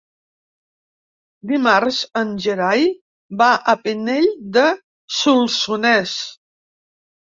Dimarts en Gerai va a Pinell de Solsonès.